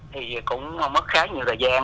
thì cũng mất khá nhiều thời gian